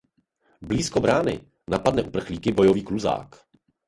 Blízko brány napadne uprchlíky bojový kluzák.